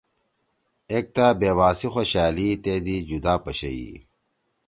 ایکتا بیوا سی خوشألی تے دی جُدا پَشَئی